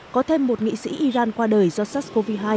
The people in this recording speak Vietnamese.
có thêm một nghị sĩ iran qua đời do sars cov hai